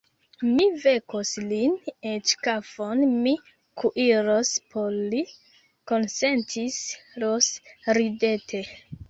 Mi vekos lin, eĉ kafon mi kuiros por li, konsentis Ros ridete.